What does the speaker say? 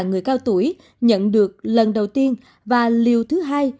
người cao tuổi nhận được lần đầu tiên và liều thứ hai